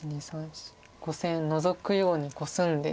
５線ノゾくようにコスんで。